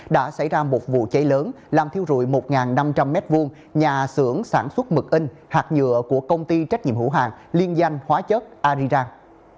đã xảy ra một vụ cháy lớn làm thiếu rụi một năm trăm linh m hai nhà sưởng sản xuất mực in hạt nhựa của công ty trách nhiệm hữu hạng liên doanh hóa chất arirang